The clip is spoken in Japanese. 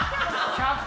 １００個。